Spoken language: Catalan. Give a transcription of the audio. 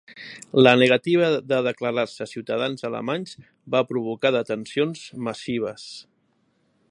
La negativa de declarar-se ciutadans alemanys va provocar detencions massives.